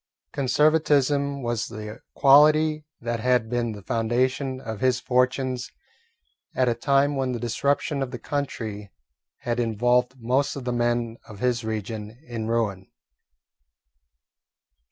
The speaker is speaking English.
Conservatism was the quality that had been the foundation of his fortunes at a time when the disruption of the country had involved most of the men of his region in ruin.